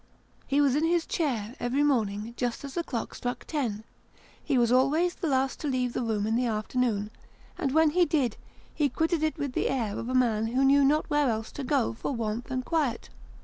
He was in his chair, every morning, just as the clock struck ten ; he was always the last to leave the room in the afternoon ; and when he did, he quitted it with the air of a man who knew not where else to go, for warmth and quiet.